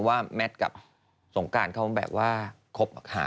แมทกับสงการเขาแบบว่าคบหา